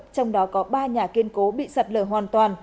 trong đó có ba nhà kiên cố bị sạt lở hoàn toàn